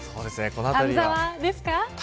丹沢ですか。